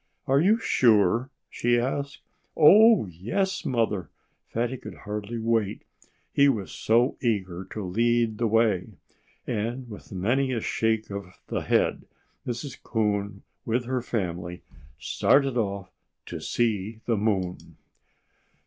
"Are you sure?" she asked. "Oh, yes, Mother!" Fatty could hardly wait, he was so eager to lead the way. And with many a shake of the head, Mrs. Coon, with her family, started off to see the moon.